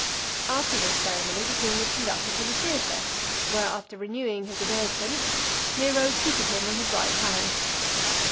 After this ceremony, the king was conducted to the theatre, where, after renewing his obeisance, Nero seated him on his right hand.